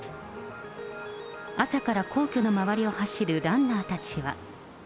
朝から皇居の周りを走るランナーたちは。